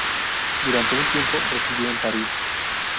Durante un tiempo residió en París.